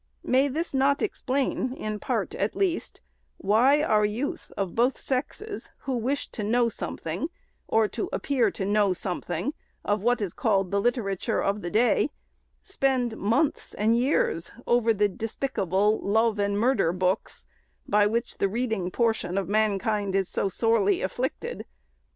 May not this explain, in part at least, why our youth of both sexes, who wish to know something, or to appear to know some thing, of what is called the literature of the day, spend months and years over the despicable " love and murder " books, by which the reading portion of mankind is so sorely afflicted?